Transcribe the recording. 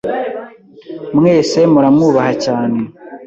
Mwese muramwubaha cyane